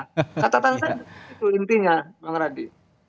kata kata itu intinya bang raditya